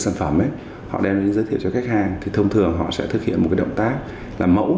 sản phẩm ấy họ đem đến giới thiệu cho khách hàng thì thông thường họ sẽ thực hiện một động tác là